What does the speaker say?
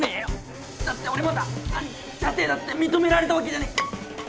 だって俺まだアニキに舎弟だって認められたわけじゃね。